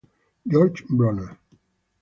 Georg Brunner